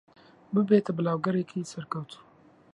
ببێتە بڵاگەرێکی سەرکەوتوو.